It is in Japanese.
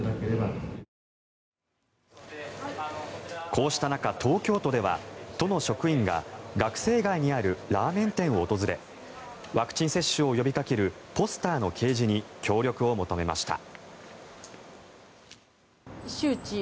こうした中、東京都では都の職員が学生街にあるラーメン店を訪れワクチン接種を呼びかけるポスターの掲示に協力を求めました。